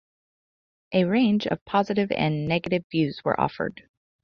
A range of positive and negative views were offered.